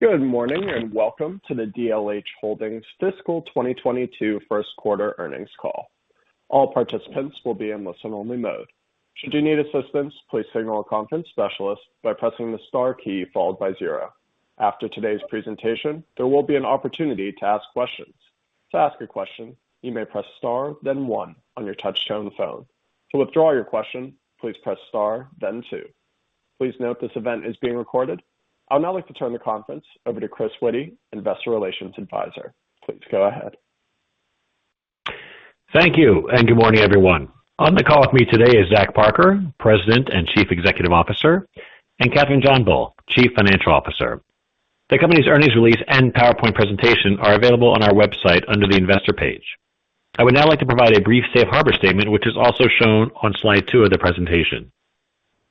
Good morning, and welcome to the DLH Holdings Fiscal 2022 first quarter earnings call. All participants will be in listen-only mode. Should you need assistance, please signal a conference specialist by pressing the star key followed by zero. After today's presentation, there will be an opportunity to ask questions. To ask a question, you may press star then one on your touchtone phone. To withdraw your question, please press star then two. Please note this event is being recorded. I would now like to turn the conference over to Chris Witty, Investor Relations Advisor. Please go ahead. Thank you, and good morning, everyone. On the call with me today is Zach Parker, President and Chief Executive Officer, and Kathryn JohnBull, Chief Financial Officer. The company's earnings release and PowerPoint presentation are available on our website under the investor page. I would now like to provide a brief safe harbor statement, which is also shown on slide two of the presentation.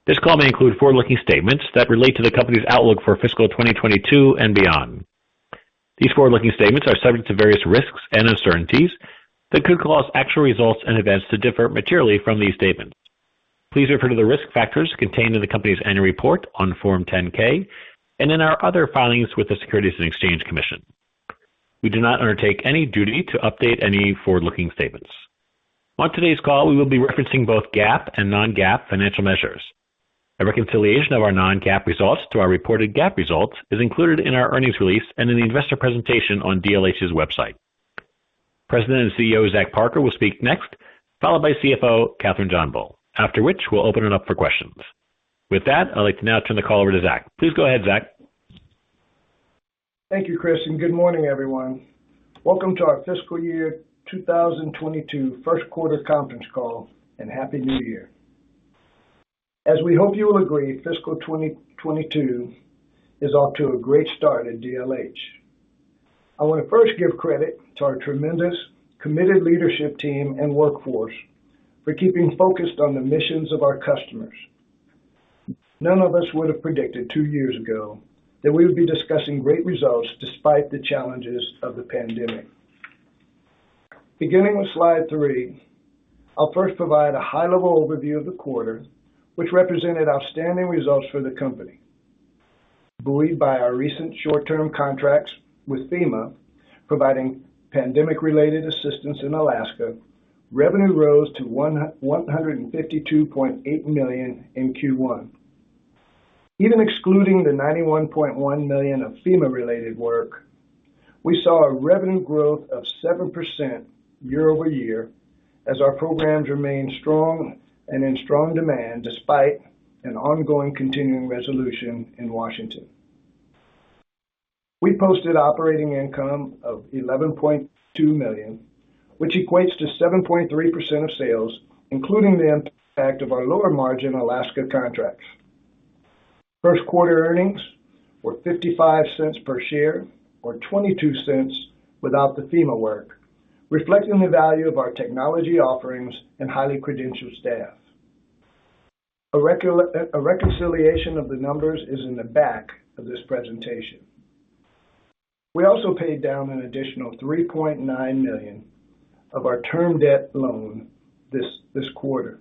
This call may include forward-looking statements that relate to the company's outlook for fiscal 2022 and beyond. These forward-looking statements are subject to various risks and uncertainties that could cause actual results and events to differ materially from these statements. Please refer to the risk factors contained in the company's annual report on Form 10-K and in our other filings with the Securities and Exchange Commission. We do not undertake any duty to update any forward-looking statements. On today's call, we will be referencing both GAAP and non-GAAP financial measures. A reconciliation of our non-GAAP results to our reported GAAP results is included in our earnings release and in the investor presentation on DLH's website. President and CEO, Zach Parker, will speak next, followed by CFO Kathryn JohnBull. After which, we'll open it up for questions. With that, I'd like to now turn the call over to Zach. Please go ahead, Zach. Thank you, Chris, and good morning, everyone. Welcome to our fiscal year 2022 first quarter conference call, and Happy New Year. As we hope you will agree, fiscal 2022 is off to a great start at DLH. I wanna first give credit to our tremendous committed leadership team and workforce for keeping focused on the missions of our customers. None of us would have predicted two years ago that we would be discussing great results despite the challenges of the pandemic. Beginning with slide three, I'll first provide a high-level overview of the quarter, which represented outstanding results for the company. Buoyed by our recent short-term contracts with FEMA, providing pandemic-related assistance in Alaska, revenue rose to $152.8 million in Q1. Even excluding the $91.1 million of FEMA-related work, we saw a revenue growth of 7% year-over-year as our programs remained strong and in strong demand despite an ongoing continuing resolution in Washington. We posted operating income of $11.2 million, which equates to 7.3% of sales, including the impact of our lower margin Alaska contracts. First quarter earnings were $0.55 per share or $0.22 without the FEMA work, reflecting the value of our technology offerings and highly credentialed staff. A reconciliation of the numbers is in the back of this presentation. We also paid down an additional $3.9 million of our term debt loan this quarter,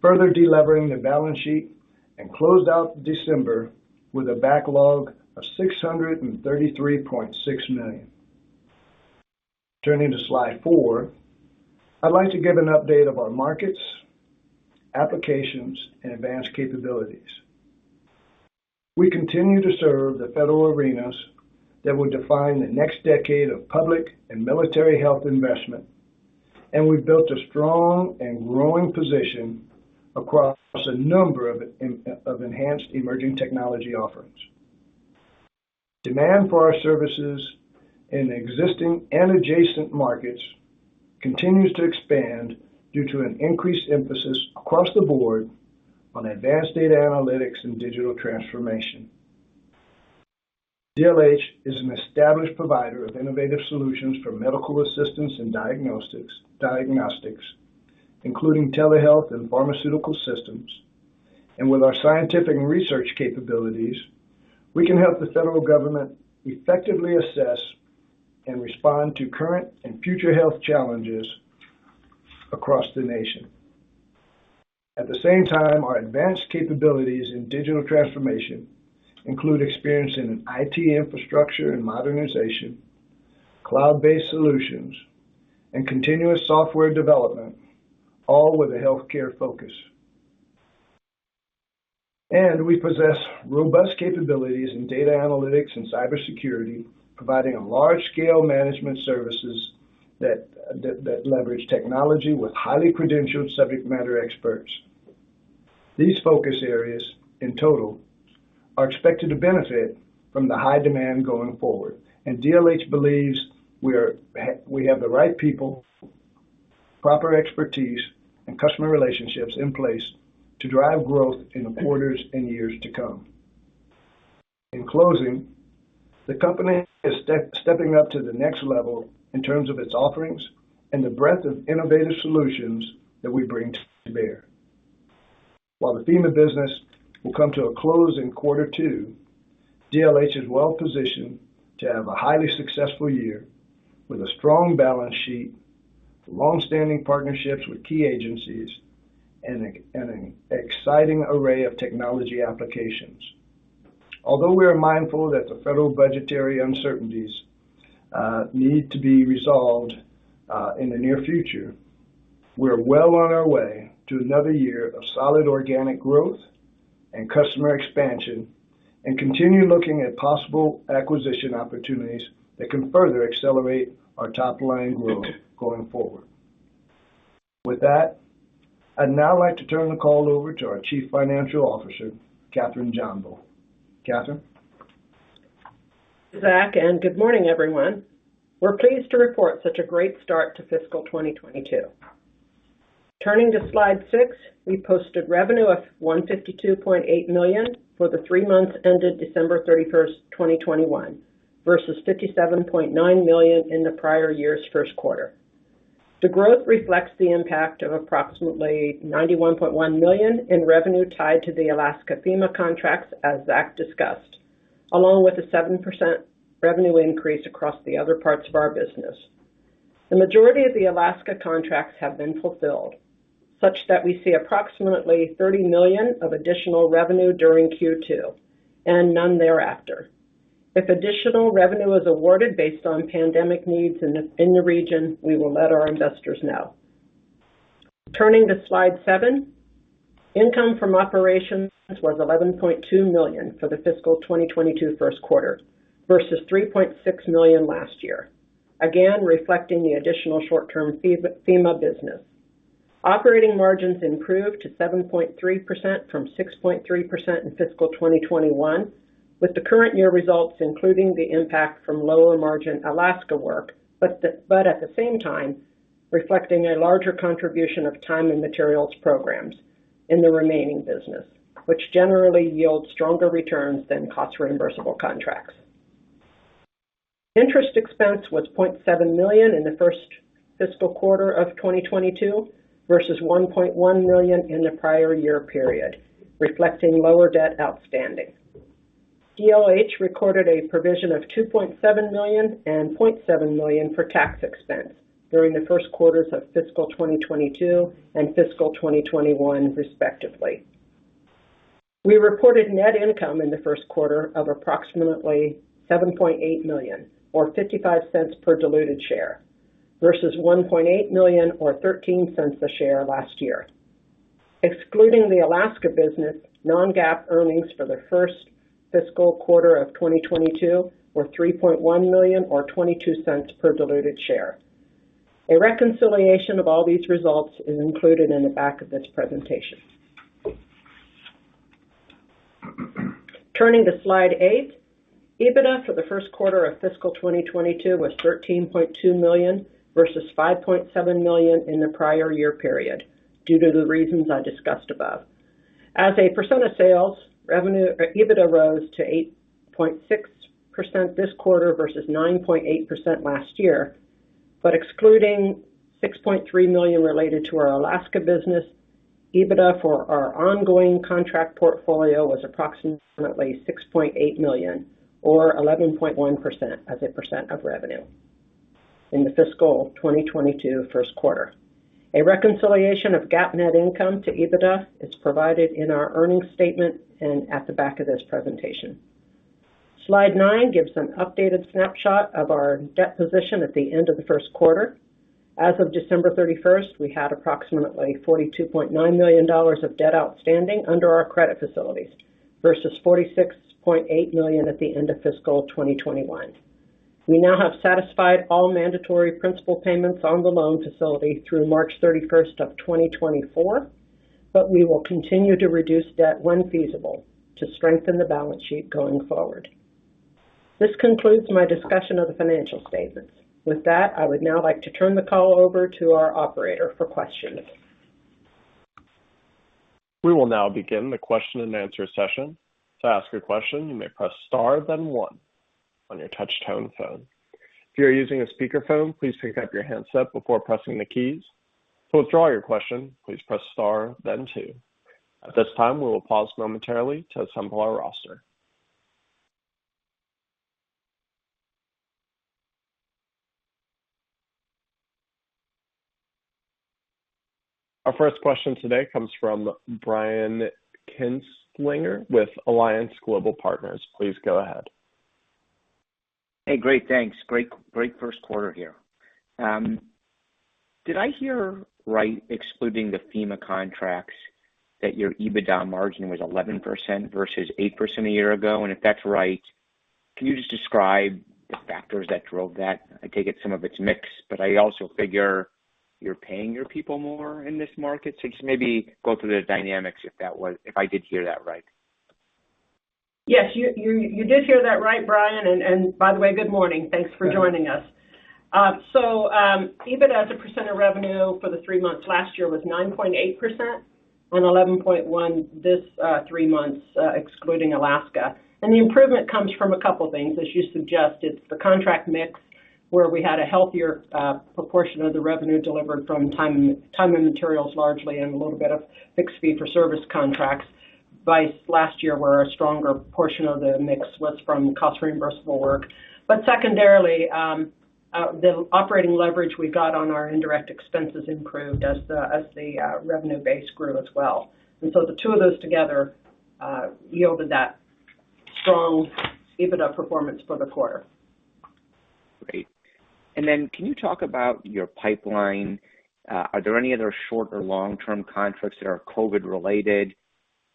further delevering the balance sheet and closed out December with a backlog of $633.6 million. Turning to slide four, I'd like to give an update of our markets, applications, and advanced capabilities. We continue to serve the federal arenas that will define the next decade of public and military health investment, and we've built a strong and growing position across a number of enhanced emerging technology offerings. Demand for our services in existing and adjacent markets continues to expand due to an increased emphasis across the board on advanced data analytics and digital transformation. DLH is an established provider of innovative solutions for medical assistance and diagnostics, including telehealth and pharmaceutical systems. With our scientific and research capabilities, we can help the federal government effectively assess and respond to current and future health challenges across the nation. At the same time, our advanced capabilities in digital transformation include experience in IT infrastructure and modernization, cloud-based solutions, and continuous software development, all with a healthcare focus. We possess robust capabilities in data analytics and cybersecurity, providing a large-scale management services that leverage technology with highly credentialed subject matter experts. These focus areas in total are expected to benefit from the high demand going forward. DLH believes we have the right people, proper expertise, and customer relationships in place to drive growth in the quarters and years to come. In closing, the company is stepping up to the next level in terms of its offerings and the breadth of innovative solutions that we bring to bear. While the FEMA business will come to a close in quarter two, DLH is well-positioned to have a highly successful year with a strong balance sheet, longstanding partnerships with key agencies, and an exciting array of technology applications. Although we are mindful that the federal budgetary uncertainties need to be resolved in the near future, we're well on our way to another year of solid organic growth and customer expansion, and continue looking at possible acquisition opportunities that can further accelerate our top-line growth going forward. With that, I'd now like to turn the call over to our Chief Financial Officer, Kathryn JohnBull. Kathryn? Zach, good morning, everyone. We're pleased to report such a great start to fiscal 2022. Turning to slide six, we posted revenue of $152.8 million for the three months ended December 31st, 2021 versus $57.9 million in the prior year's first quarter. The growth reflects the impact of approximately $91.1 million in revenue tied to the Alaska FEMA contracts, as Zach discussed, along with a 7% revenue increase across the other parts of our business. The majority of the Alaska contracts have been fulfilled such that we see approximately $30 million of additional revenue during Q2 and none thereafter. If additional revenue is awarded based on pandemic needs in the region, we will let our investors know. Turning to slide seven, income from operations was $11.2 million for the fiscal 2022 first quarter versus $3.6 million last year. Again, reflecting the additional short-term FEMA business. Operating margins improved to 7.3% from 6.3% in fiscal 2021, with the current year results including the impact from lower margin Alaska work. At the same time, reflecting a larger contribution of time and materials programs in the remaining business, which generally yields stronger returns than cost reimbursable contracts. Interest expense was $0.7 million in the first fiscal quarter of 2022 versus $1.1 million in the prior year period, reflecting lower debt outstanding. DLH recorded a provision of $2.7 million and $0.7 million for tax expense during the first quarters of fiscal 2022 and fiscal 2021, respectively. We reported net income in the first quarter of approximately $7.8 million or $0.55 per diluted share versus $1.8 million or $0.13 a share last year. Excluding the Alaska business, non-GAAP earnings for the first fiscal quarter of 2022 were $3.1 million or $0.22 per diluted share. A reconciliation of all these results is included in the back of this presentation. Turning to slide eight, EBITDA for the first quarter of fiscal 2022 was $13.2 million versus $5.7 million in the prior year period due to the reasons I discussed above. As a percent of sales or revenue rose to 8.6% this quarter versus 9.8% last year, but excluding $6.3 million related to our Alaska business, EBITDA for our ongoing contract portfolio was approximately $6.8 million or 11.1% as a percent of revenue in the fiscal 2022 first quarter. A reconciliation of GAAP net income to EBITDA is provided in our earnings statement and at the back of this presentation. Slide nine gives an updated snapshot of our debt position at the end of the first quarter. As of December 31st, we had approximately $42.9 million of debt outstanding under our credit facilities versus $46.8 million at the end of fiscal 2021. We now have satisfied all mandatory principal payments on the loan facility through March 31st, 2024, but we will continue to reduce debt when feasible to strengthen the balance sheet going forward. This concludes my discussion of the financial statements. With that, I would now like to turn the call over to our operator for questions. We will now begin the question-and-answer session. To ask a question, you may press star then one on your touch tone phone. If you are using a speakerphone, please pick up your handset before pressing the keys. To withdraw your question, please press star then two. At this time, we will pause momentarily to assemble our roster. Our first question today comes from Brian Kinstlinger with Alliance Global Partners. Please go ahead. Hey, great, thanks. Great first quarter here. Did I hear right, excluding the FEMA contracts that your EBITDA margin was 11% versus 8% a year ago? If that's right, can you just describe the factors that drove that? I take it some of it's mix, but I also figure you're paying your people more in this market. Just maybe go through the dynamics if I did hear that right. Yes, you did hear that right, Brian. By the way, good morning. Thanks for joining us. EBITDA as a percent of revenue for the three months last year was 9.8% and 11.1% this three months, excluding Alaska. The improvement comes from a couple things, as you suggest. It's the contract mix, where we had a healthier proportion of the revenue delivered from time and materials largely, and a little bit of fixed fee for service contracts versus last year where a stronger portion of the mix was from cost reimbursable work. Secondarily, the operating leverage we got on our indirect expenses improved as the revenue base grew as well. The two of those together yielded that strong EBITDA performance for the quarter. Great. Can you talk about your pipeline? Are there any other short or long-term contracts that are COVID related?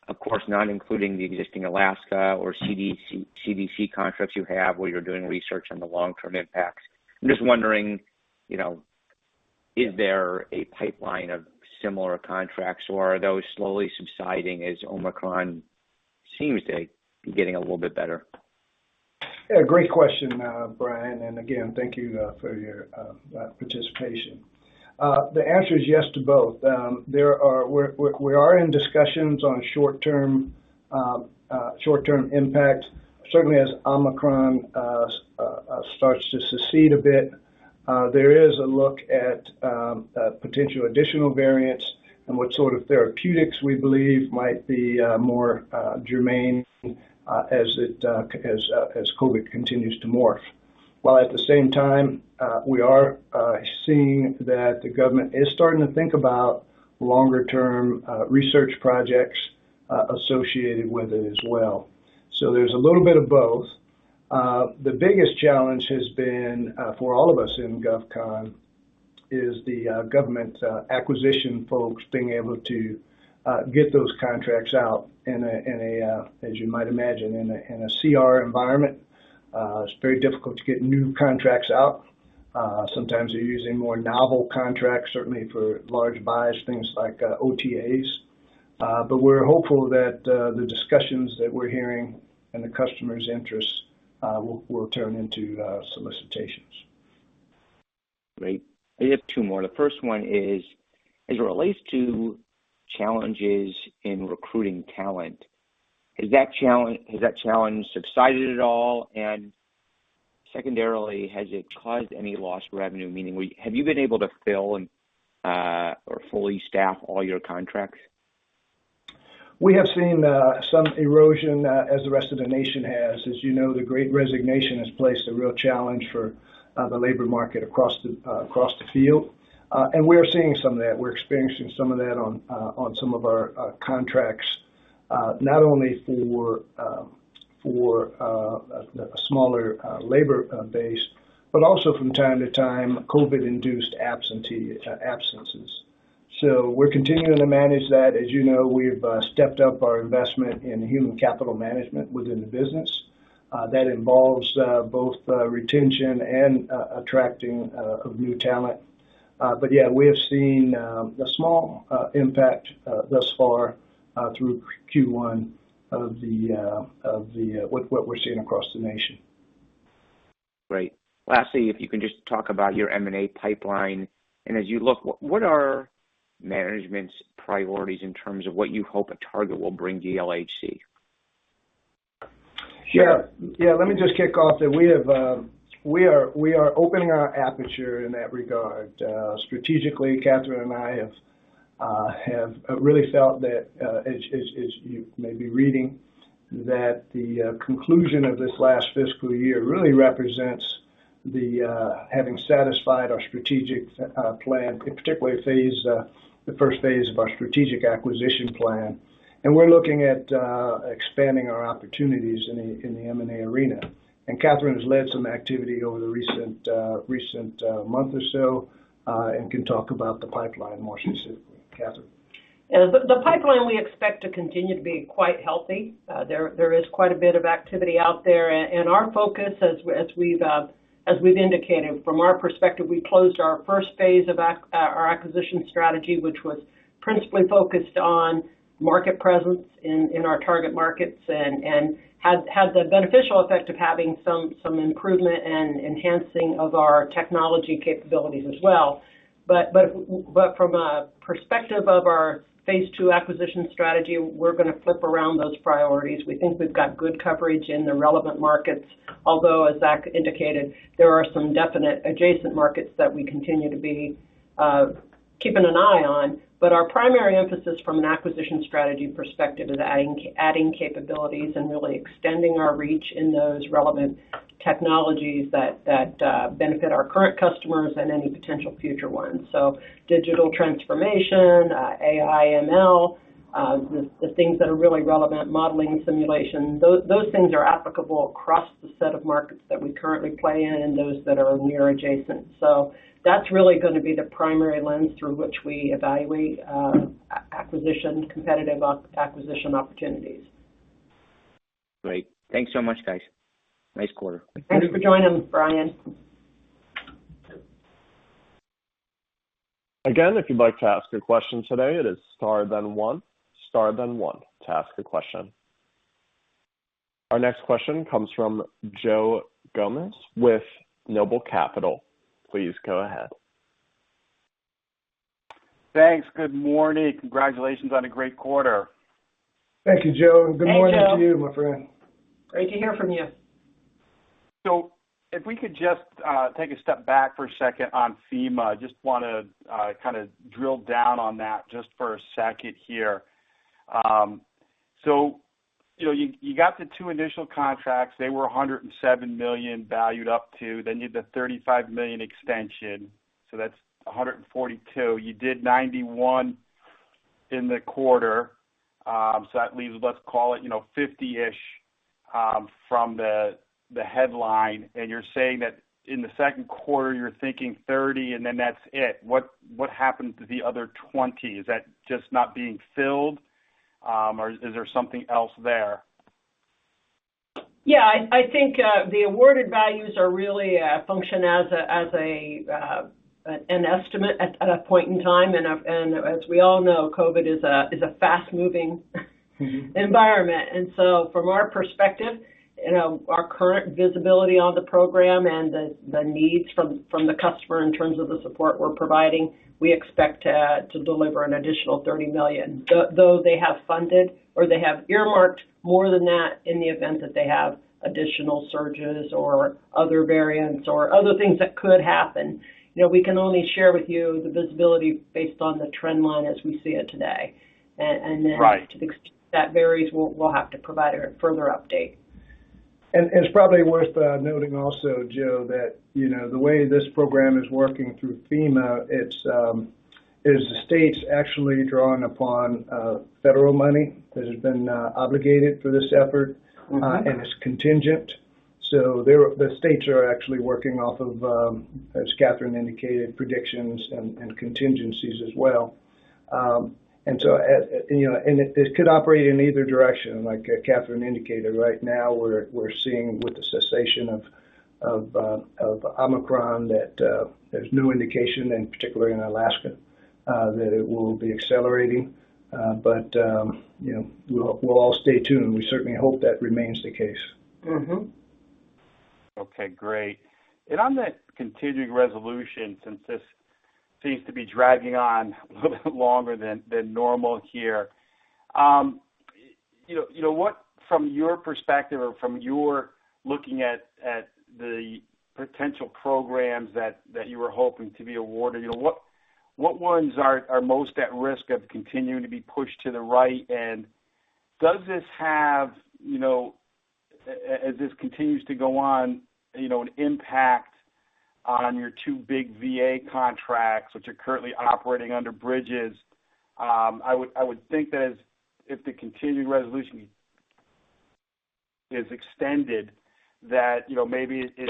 Of course, not including the existing Alaska or CDC contracts you have where you're doing research on the long-term impacts. I'm just wondering, you know, is there a pipeline of similar contracts, or are those slowly subsiding as Omicron seems to be getting a little bit better? Yeah, great question, Brian, and again, thank you for your participation. The answer is yes to both. We are in discussions on short-term impact. Certainly as Omicron starts to recede a bit, there is a look at potential additional variants and what sort of therapeutics we believe might be more germane as COVID continues to morph. While at the same time, we are seeing that the government is starting to think about longer-term research projects associated with it as well. There's a little bit of both. The biggest challenge has been for all of us in GovCon is the government acquisition folks being able to get those contracts out in a, as you might imagine, in a CR environment. It's very difficult to get new contracts out. Sometimes they're using more novel contracts, certainly for large buys, things like OTAs. We're hopeful that the discussions that we're hearing and the customers' interests will turn into solicitations. Great. I have two more. The first one is, as it relates to challenges in recruiting talent, has that challenge subsided at all? And secondarily, has it caused any lost revenue? Meaning, have you been able to fill and or fully staff all your contracts? We have seen some erosion as the rest of the nation has. As you know, the Great Resignation has placed a real challenge for the labor market across the field. We're seeing some of that. We're experiencing some of that on some of our contracts, not only for a smaller labor base, but also from time to time, COVID-induced absences. We're continuing to manage that. As you know, we've stepped up our investment in human capital management within the business. That involves both retention and attracting of new talent. Yeah, we have seen a small impact thus far through Q1 of what we're seeing across the nation. Great. Lastly, if you can just talk about your M&A pipeline, and as you look, what are management's priorities in terms of what you hope a target will bring to DLH? Yeah. Yeah. Let me just kick off we are opening our aperture in that regard. Strategically, Kathryn and I have really felt that, as you may be reading, that the conclusion of this last fiscal year really represents the having satisfied our strategic plan, in particular phase, the first phase of our strategic acquisition plan. We're looking at expanding our opportunities in the M&A arena. Kathryn has led some activity over the recent month or so, and can talk about the pipeline more specifically. Kathryn. Yeah. The pipeline we expect to continue to be quite healthy. There is quite a bit of activity out there. And our focus as we've indicated from our perspective, we closed our first phase of our acquisition strategy, which was principally focused on market presence in our target markets and had the beneficial effect of having some improvement and enhancing of our technology capabilities as well. From a perspective of our phase two acquisition strategy, we're gonna flip around those priorities. We think we've got good coverage in the relevant markets, although as Zach indicated, there are some definite adjacent markets that we continue to be keeping an eye on. Our primary emphasis from an acquisition strategy perspective is adding capabilities and really extending our reach in those relevant technologies that benefit our current customers and any potential future ones. Digital transformation, AI, ML, the things that are really relevant, modeling and simulation, those things are applicable across the set of markets that we currently play in and those that are near adjacent. That's really gonna be the primary lens through which we evaluate acquisition, competitive acquisition opportunities. Great. Thanks so much, guys. Nice quarter. Thanks for joining us, Brian. Again, if you'd like to ask a question today, it is star then one. Star then one to ask a question. Our next question comes from Joe Gomes with Noble Capital. Please go ahead. Thanks. Good morning. Congratulations on a great quarter. Thank you, Joe. Thank you. Good morning to you, my friend. Great to hear from you. If we could just take a step back for a second on FEMA. Just wanna kinda drill down on that just for a second here. You know, you got the two initial contracts. They were $107 million valued up to. Then you have the $35 million extension, so that's $142 million. You did $91 million in the quarter, so that leaves, let's call it, you know, $50 million from the headline. You're saying that in the second quarter, you're thinking $30 million and then that's it. What happened to the other $20 million? Is that just not being filled or is there something else there? Yeah. I think the awarded values are really function as an estimate at a point in time. As we all know, COVID is a fast-moving environment. From our perspective, you know, our current visibility on the program and the needs from the customer in terms of the support we're providing, we expect to deliver an additional $30 million. Though they have funded or they have earmarked more than that in the event that they have additional surges or other variants or other things that could happen. You know, we can only share with you the visibility based on the trend line as we see it today. Right. To the extent that varies. We'll have to provide a further update. It's probably worth noting also, Joe, that you know the way this program is working through FEMA, it is the state's actually drawing upon federal money that has been obligated for this effort. Mm-hmm. It's contingent. The states are actually working off of, as Kathryn indicated, predictions and contingencies as well. You know, it could operate in either direction, like Kathryn indicated. Right now we're seeing with the cessation of Omicron that there's new indication, and particularly in Alaska, that it will be accelerating. You know, we'll all stay tuned. We certainly hope that remains the case. Mm-hmm. Okay, great. On that continuing resolution, since this seems to be dragging on a little bit longer than normal here. You know what, from your perspective or from your looking at the potential programs that you were hoping to be awarded, you know, what ones are most at risk of continuing to be pushed to the right? Does this have, you know, as this continues to go on, you know, an impact on your two big VA contracts which are currently operating under bridges? I would think that if the continuing resolution is extended, you know, maybe it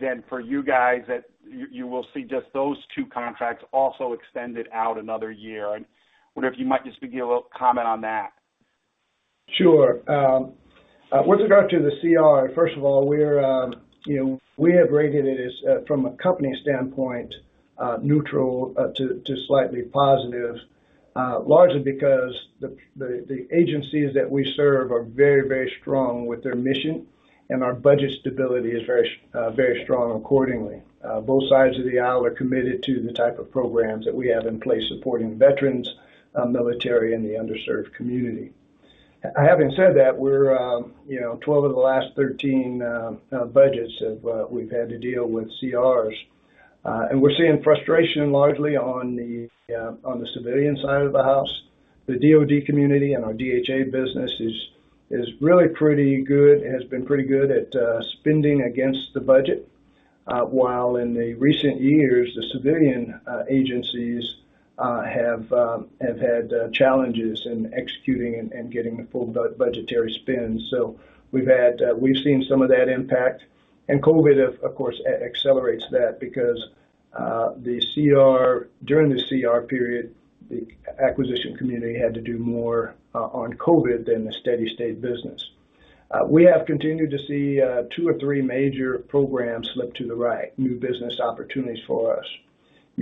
then for you guys that you will see just those two contracts also extended out another year. I wonder if you might just give me a little comment on that. Sure. With regard to the CR, first of all, we're, you know, we have rated it as, from a company standpoint, neutral, to slightly positive. Largely because the agencies that we serve are very strong with their mission and our budget stability is very strong accordingly. Both sides of the aisle are committed to the type of programs that we have in place supporting veterans, military, and the underserved community. Having said that, we're, you know, 12 of the last 13 budgets have, we've had to deal with CRs. And we're seeing frustration largely on the civilian side of the house. The DoD community and our DHA business is really pretty good and has been pretty good at spending against the budget. While in recent years, the civilian agencies have had challenges in executing and getting the full budgetary spend. We've seen some of that impact. COVID of course accelerates that because the CR, during the CR period, the acquisition community had to do more on COVID than the steady-state business. We have continued to see two or three major programs slip to the right, new business opportunities for us.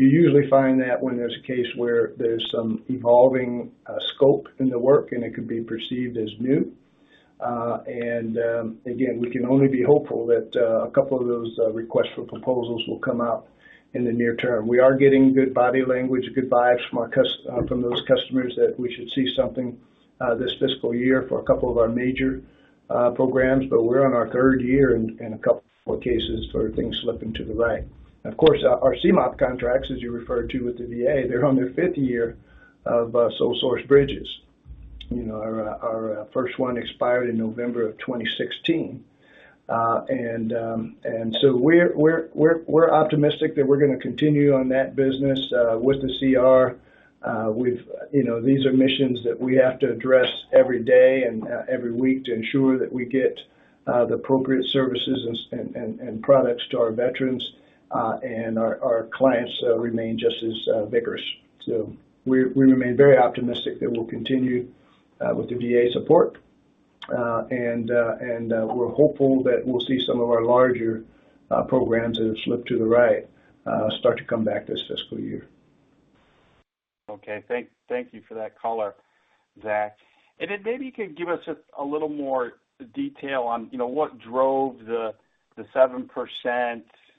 You usually find that when there's a case where there's some evolving scope in the work, and it could be perceived as new. Again, we can only be hopeful that a couple of those requests for proposals will come out in the near term. We are getting good body language, good vibes from those customers that we should see something this fiscal year for a couple of our major programs. We're on our third year in a couple of cases for things slipping to the right. Of course, our CMOP contracts, as you referred to with the VA, they're on their fifth year of sole source bridges. You know, our first one expired in November of 2016. We're optimistic that we're gonna continue on that business with the CR. We've, you know, these are missions that we have to address every day and every week to ensure that we get the appropriate services and products to our veterans and our clients remain just as vigorous. We remain very optimistic that we'll continue with the VA support. We're hopeful that we'll see some of our larger programs that have slipped to the right start to come back this fiscal year. Okay. Thank you for that color, Zach. Maybe you could give us just a little more detail on, you know, what drove the 7% ex Alaska revenue increase.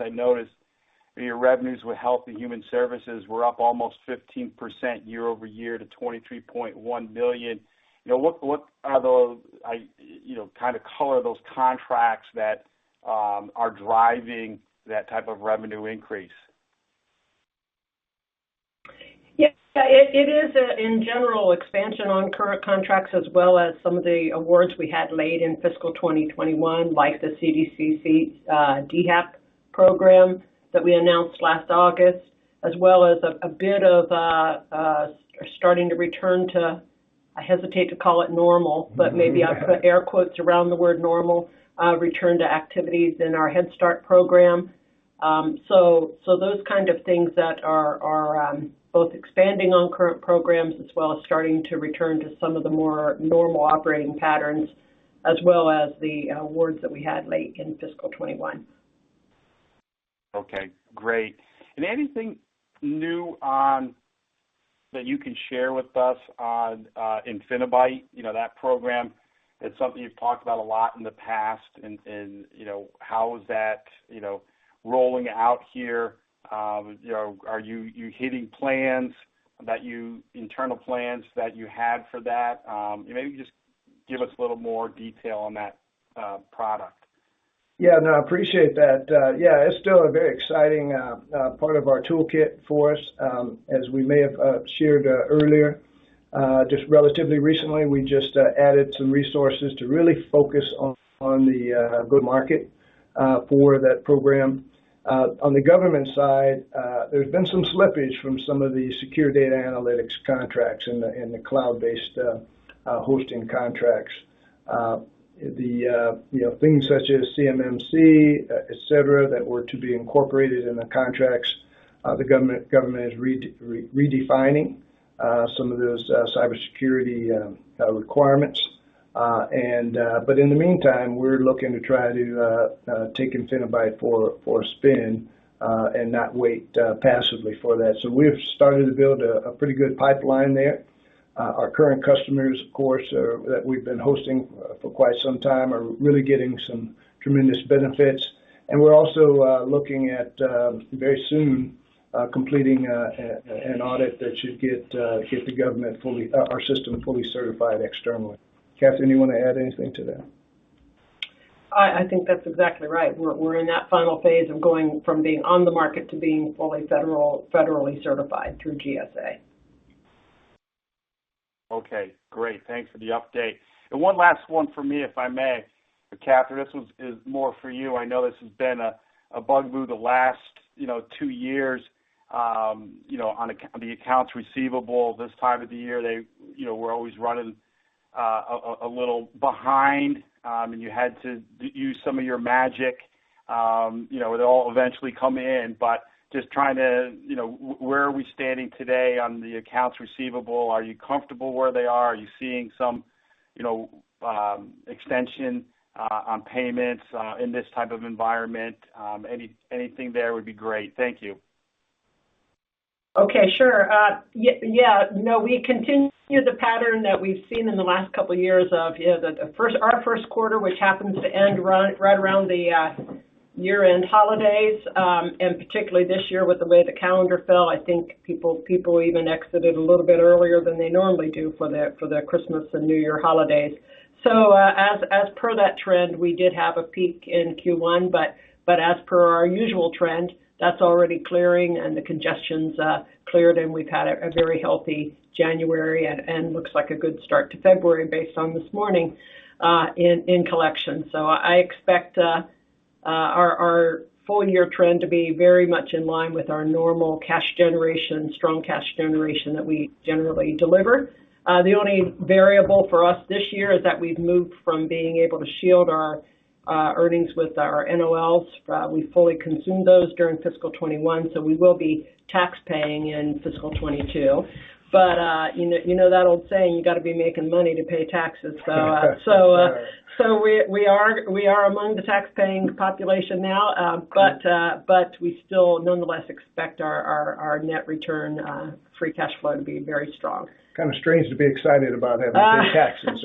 I noticed your revenues with Health and Human Services were up almost 15% year-over-year to $23.1 billion. What are those, you know, kind of color those contracts that are driving that type of revenue increase? Yes. It is, in general, expansion on current contracts as well as some of the awards we had made in fiscal 2021, like the CDC DHAP program that we announced last August, as well as a bit of a starting to return to, I hesitate to call it normal. Mm-hmm. Maybe I'll put air quotes around the word normal return to activities in our Head Start program. So those kind of things that are both expanding on current programs as well as starting to return to some of the more normal operating patterns as well as the awards that we had late in fiscal 2021. Okay, great. Anything new on that you can share with us on InfiniByte? You know, that program, it's something you've talked about a lot in the past and you know, how is that you know, rolling out here? You know, are you hitting internal plans that you had for that? Maybe just give us a little more detail on that product. Yeah, no, I appreciate that. Yeah, it's still a very exciting part of our toolkit for us. As we may have shared earlier, just relatively recently, we just added some resources to really focus on the GovCon market for that program. On the government side, there's been some slippage from some of the secure data analytics contracts and the cloud-based hosting contracts. You know, things such as CMMC, et cetera, that were to be incorporated in the contracts, the government is redefining some of those cybersecurity requirements. In the meantime, we're looking to try to take InfiniByte for a spin and not wait passively for that. We've started to build a pretty good pipeline there. Our current customers, of course, that we've been hosting for quite some time, are really getting some tremendous benefits. We're also looking at very soon completing an audit that should get our system fully certified externally. Kathryn, you wanna add anything to that? I think that's exactly right. We're in that final phase of going from being on the market to being fully federally certified through GSA. Okay, great. Thanks for the update. One last one for me, if I may. Kathryn Okay, sure. Yeah. You know, we continue the pattern that we've seen in the last couple of years of our first quarter, which happens to end right around the year-end holidays. Particularly this year, with the way the calendar fell, I think people even exited a little bit earlier than they normally do for the Christmas and New Year holidays. As per that trend, we did have a peak in Q1. As per our usual trend, that's already clearing and the congestion's cleared, and we've had a very healthy January and looks like a good start to February based on this morning in collection. I expect our full-year trend to be very much in line with our normal cash generation, strong cash generation that we generally deliver. The only variable for us this year is that we've moved from being able to shield our earnings with our NOLs. We fully consumed those during fiscal 2021, so we will be tax-paying in fiscal 2022. You know that old saying, you gotta be making money to pay taxes. We are among the tax-paying population now. We still nonetheless expect our net return, free cash flow to be very strong. Kind of strange to be excited about having to pay taxes,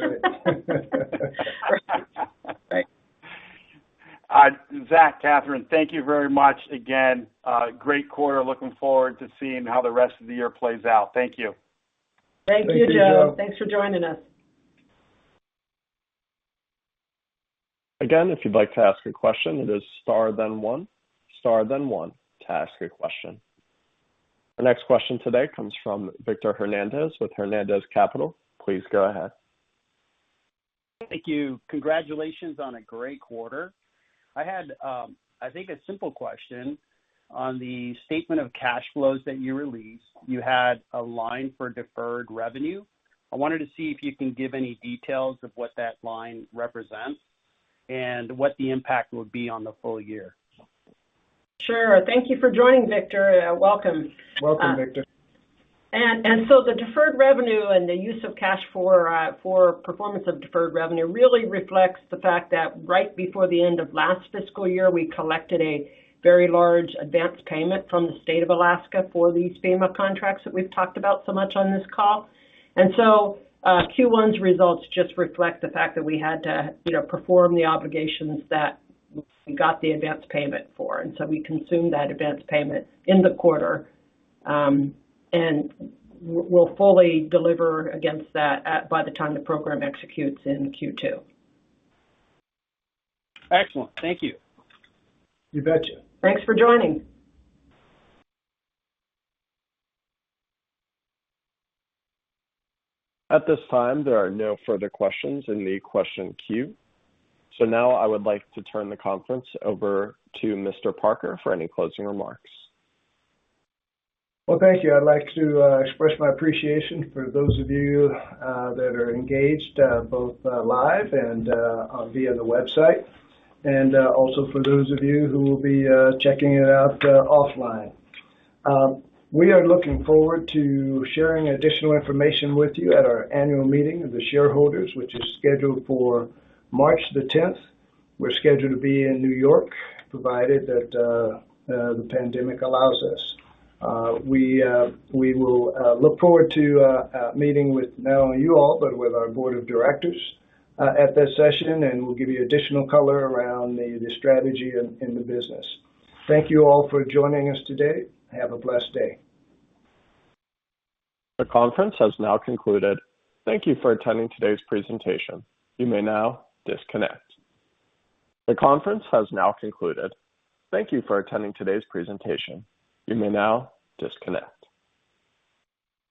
right? Zach, Kathryn, thank you very much again. Great quarter. Looking forward to seeing how the rest of the year plays out. Thank you. Thank you, Joe. Thank you, Joe. Thanks for joining us. Again, if you'd like to ask a question, it is star then one. Star then one to ask a question. The next question today comes from Victor Hernandez with Hernandez Capital. Please go ahead. Thank you. Congratulations on a great quarter. I had, I think a simple question. On the statement of cash flows that you released, you had a line for deferred revenue. I wanted to see if you can give any details of what that line represents and what the impact would be on the full year. Sure. Thank you for joining, Victor. Welcome. Welcome, Victor. The deferred revenue and the use of cash for performance of deferred revenue really reflects the fact that right before the end of last fiscal year, we collected a very large advanced payment from the State of Alaska for these FEMA contracts that we've talked about so much on this call. Q1's results just reflect the fact that we had to, you know, perform the obligations that we got the advanced payment for. We consumed that advanced payment in the quarter, and we'll fully deliver against that by the time the program executes in Q2. Excellent. Thank you. You betcha. Thanks for joining. At this time, there are no further questions in the question queue. Now I would like to turn the conference over to Mr. Parker for any closing remarks. Well, thank you. I'd like to express my appreciation for those of you that are engaged both live and via the website, and also for those of you who will be checking it out offline. We are looking forward to sharing additional information with you at our annual meeting of the shareholders, which is scheduled for March 10th. We're scheduled to be in New York, provided that the pandemic allows us. We will look forward to meeting with not only you all, but with our board of directors at that session, and we'll give you additional color around the strategy and the business. Thank you all for joining us today. Have a blessed day. The conference has now concluded. Thank you for attending today's presentation. You may now disconnect. The conference has now concluded. Thank you for attending today's presentation. You may now disconnect.